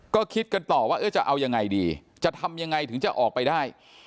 ก็คิดกันต่อว่าจะเอายังไงดีจะทำยังไงถึงจะออกไปได้